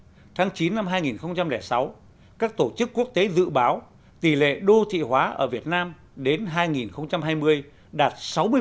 trong tháng chín năm hai nghìn sáu các tổ chức quốc tế dự báo tỷ lệ đô thị hóa ở việt nam đến hai nghìn hai mươi đạt sáu mươi